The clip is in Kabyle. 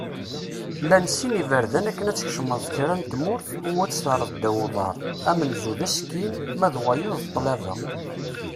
Llan sin iberdan akken ad tkecmeḍ kra n tmurt u ad tt-terreḍ ddaw uḍar : amenzu, d asekkin ; ma d wayeḍ, d ṭṭlaba.